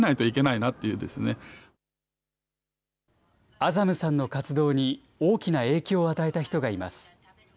アザムさんの活動に、大きな影響を与えた人がいます。